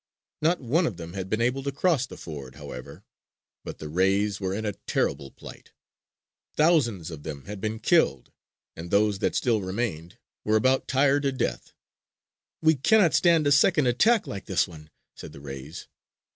Not one of them had been able to cross the ford, however. But the rays were in a terrible plight. Thousands of them had been killed; and those that still remained were about tired to death. "We cannot stand a second attack like this one," said the rays.